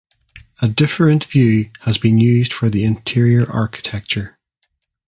A different view has been used for the interior architecture.